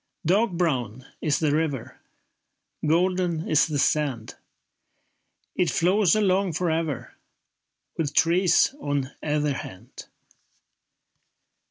Dark brown is the river, Golden is the sand. It flows along for ever, With trees on either hand.